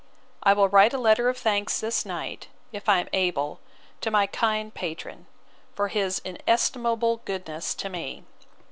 I will write a letter of thanks this night, if I am able, to my kind patron, for his inestimable goodness to me.